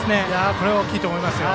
これは大きいと思いますよ。